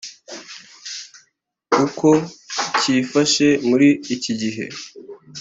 uko cyifashe muri iki gihe